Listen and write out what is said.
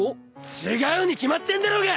違うに決まってんだろうが！